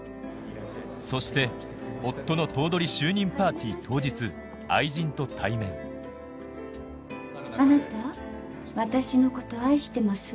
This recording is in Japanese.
そして夫の頭取就任パーティー当日愛人と対面あなた私のこと愛してます？